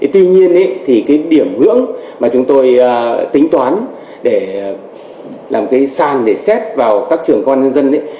tuy nhiên thì cái điểm ngưỡng mà chúng tôi tính toán để làm cái sàn để xét vào các trường công an nhân dân